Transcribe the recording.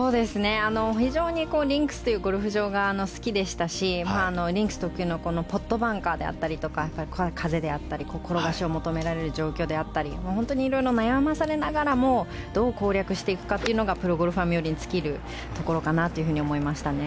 非常にリンクスというゴルフ場が好きでしたしリンクス特有のポットバンカーであったり風であったり、転がしを求められる状況であったり本当にいろいろ悩まされながらもどう攻略していくかというのがプロゴルファー冥利に尽きるところかなと思いましたね。